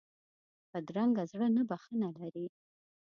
بدرنګه زړه نه بښنه لري